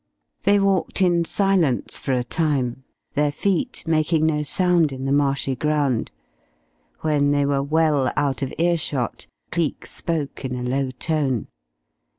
They walked in silence for a time, their feet making no sound in the marshy ground, when they were well out of earshot Cleek spoke in a low tone.